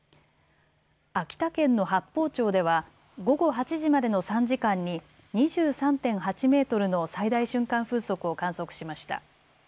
秋田県の八峰町では午後８時までの３時間に２３．８メートルの最大瞬間風速を観測しました。